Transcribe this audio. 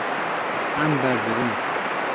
Em berdidin.